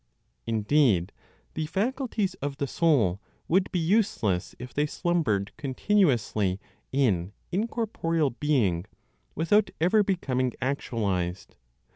Indeed, the faculties of the soul would be useless if they slumbered continuously in incorporeal being without ever becoming actualized.